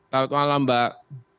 selamat malam mbak